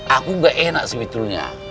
aku gak enak sebetulnya